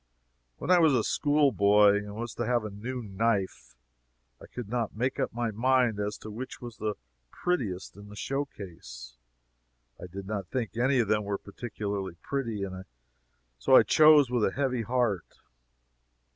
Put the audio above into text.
When I was a school boy and was to have a new knife, I could not make up my mind as to which was the prettiest in the show case, and I did not think any of them were particularly pretty; and so I chose with a heavy heart.